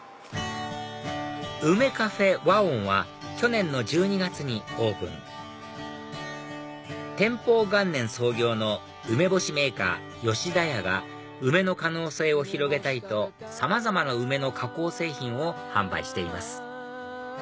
ｕｍｅｃａｆＷＡＯＮは去年の１２月にオープン天保元年創業の梅干しメーカー田屋が梅の可能性を広げたいとさまざまな梅の加工製品を販売しています